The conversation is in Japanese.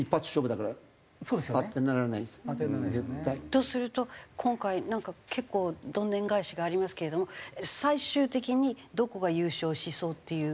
とすると今回なんか結構どんでん返しがありますけれども最終的にどこが優勝しそうっていう。